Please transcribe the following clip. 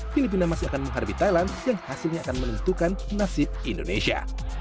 filipina masih akan menghadapi thailand yang hasilnya akan menentukan nasib indonesia